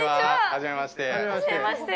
初めまして。